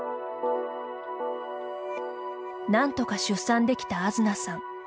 なんとか出産できた、あづなさん。